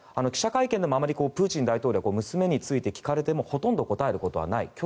記者会見でもあまりプーチン大統領は娘についても聞かれてもほとんど答えることはない。